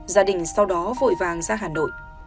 gia đình sau đó vội vàng ra hà nội